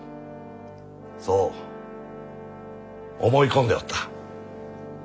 そう思い込んでおった。